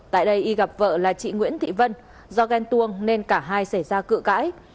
tại đây y gặp vợ là chị nguyễn thị vân do ghen tuông nên cả hai xảy ra cự cãi